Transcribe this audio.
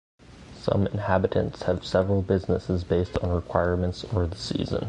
Some inhabitants have several businesses based on requirements or the season.